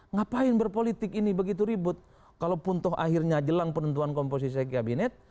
ngapain berpolitik ini begitu ribut kalau pun tuh akhirnya jelang penentuan komposisi kabinet